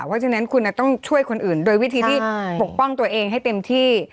เพราะฉะนั้นคุณต้องช่วยคนอื่นโดยวิธีที่ปกป้องตัวเองให้เต็มที่